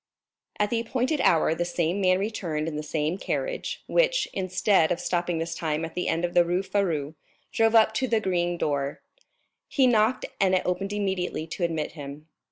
At the appointed hour the same man returned in the same carriage, which, instead of stopping this time at the end of the Rue Férou, drove up to the green door. He knocked, and it opened immediately to admit him.